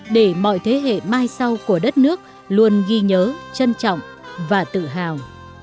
để mọi thế hệ mai sau của đất nước luôn ghi nhớ trân trọng và tự hào